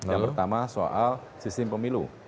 yang pertama soal sistem pemilu